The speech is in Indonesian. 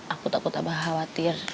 aku takut abah khawatir